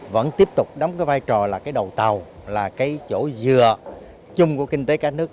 vẫn tiếp tục đóng vai trò là đầu tàu là chỗ dừa chung của kinh tế cả nước